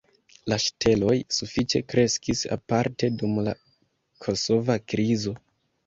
La ŝteloj sufiĉe kreskis aparte dum la kosova krizo.